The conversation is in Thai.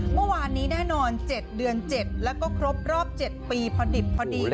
เมื่อวานนี้แน่นอน๗เดือน๗แล้วก็ครบรอบ๗ปีพอดิบพอดี